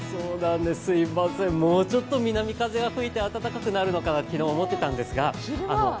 すいません、もうちょっと南風が吹いて、暖かくなるかと昼間は暖かったんですが。